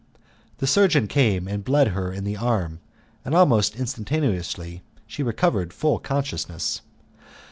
The surgeon came and bled her in the arm, and almost instantaneously she recovered full consciousness.